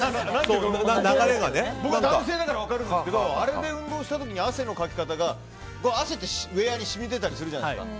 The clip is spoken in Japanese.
僕は男性だから分かるんですけどあれで運動した時に汗のかき方が汗って、ウェアに染み出たりするじゃないですか。